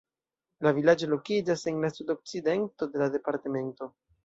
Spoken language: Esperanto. La vilaĝo lokiĝas en la sudokcidento de la departemento.